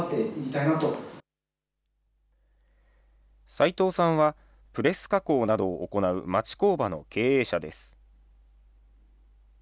齋藤さんは、プレス加工などを行う町工場の経営者です。